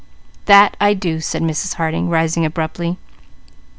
"That I do!" said Mrs. Harding rising abruptly.